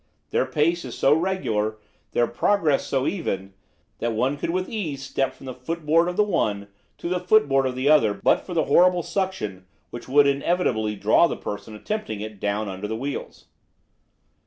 Their pace is so regular, their progress so even, that one could with ease step from the footboard of the one to the footboard of the other but for the horrible suction which would inevitably draw the person attempting it down under the wheels.